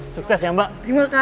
sukses ya mbak